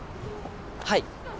はい！